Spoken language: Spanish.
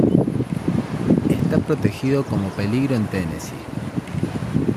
Está protegido como peligro en Tennessee.